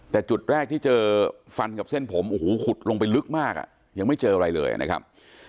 แต่จุดแรกที่เจอฟันกับเส้นผมโอ้โหขุดลงไปลึกมากอ่ะยังไม่เจออะไรเลยนะครับ